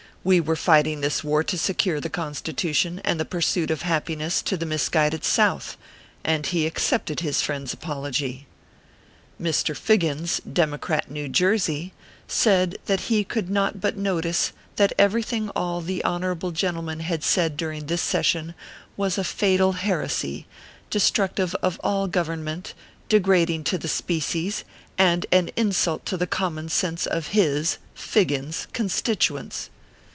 We were fighting this war to secure the Constitution and the pursuit of happiness to the misguided South, and he accepted his friend s apology. Mr. FIGGINS (democrat, New Jersey) said that he could not but notice that everything all the Honor able gentlemen had said during this session was a fatal heresy, destructive of all Government, degrading to the species, and an insult to the common sense of his (Figgins ) constituents.